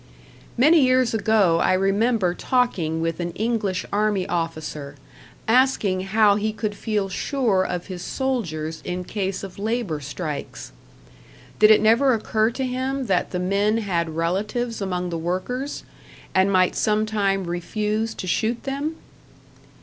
Many years ago I remember talking with an English army officer, asking how he could feel sure of his soldiers in case of labor strikes; did it never occur to him that the men had relatives among the workers, and might some time refuse to shoot them?